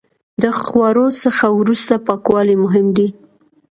د خوړو څخه وروسته پاکوالی مهم دی.